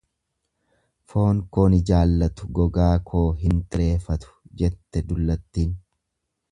Foon koo ni jaallatu gogaa koo hin xireeffatu jette dullattin.